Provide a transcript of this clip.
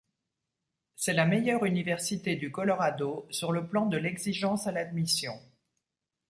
C'est la meilleure université du Colorado, sur le plan de l'exigence à l'admission.